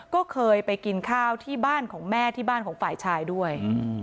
ก็เคยไปกินข้าวที่บ้านของแม่ที่บ้านของฝ่ายชายด้วย